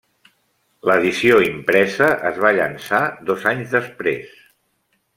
L'edició impresa es va llançar dos anys després.